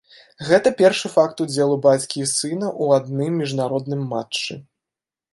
Гэта першы факт удзелу бацькі і сына ў адным міжнародным матчы.